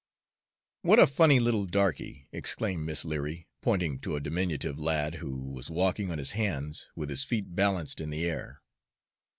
"What a funny little darkey!" exclaimed Miss Leary, pointing to a diminutive lad who was walking on his hands, with his feet balanced in the air.